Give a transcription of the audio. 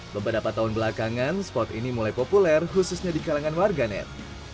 beberapa tahun belakangan spot ini mulai populer khususnya di kalangan warganet